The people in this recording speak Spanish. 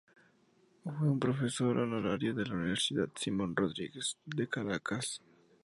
Fue profesor honorario de la Universidad Simón Rodríguez de Caracas.